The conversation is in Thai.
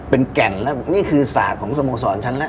เป็นแก่นแล้วนี่คือศาสตร์ของสโมสรฉันแล้ว